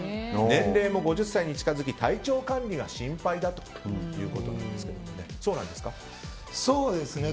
年齢も５０歳に近づき体調管理が心配だということですがそうですね。